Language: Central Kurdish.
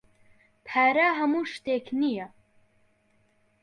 پارە ھەموو شتێک نییە.